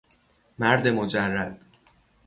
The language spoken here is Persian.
مرد مجرد